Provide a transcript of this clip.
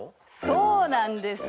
そうなんです。